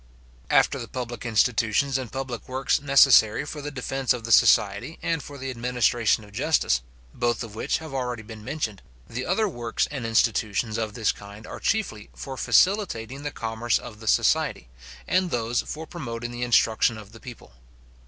After the public institutions and public works necessary for the defence of the society, and for the administration of justice, both of which have already been mentioned, the other works and institutions of this kind are chiefly for facilitating the commerce of the society, and those for promoting the instruction of the people.